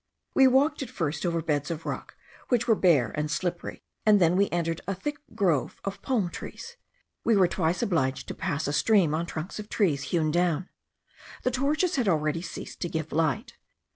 We walked at first over beds of rock, which were bare and slippery, and then we entered a thick grove of palm trees. We were twice obliged to pass a stream on trunks of trees hewn down. The torches had already ceased to give light.